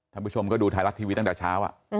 ทุกผู้ชมก็ดูทายลักษณ์ทีวีตั้งแต่เช้า